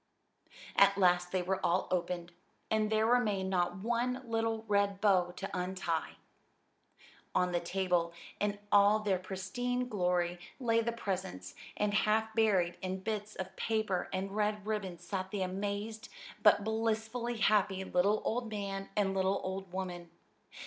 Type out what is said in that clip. At last they were all opened, and there remained not one little red bow to untie. On the table, in all their pristine glory, lay the presents, and half buried in bits of paper and red ribbon sat the amazed, but blissfully happy, little old man and little old woman.